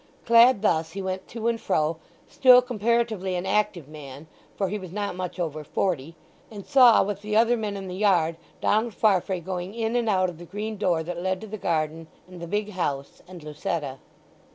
Clad thus he went to and fro, still comparatively an active man—for he was not much over forty—and saw with the other men in the yard Donald Farfrae going in and out the green door that led to the garden, and the big house, and Lucetta.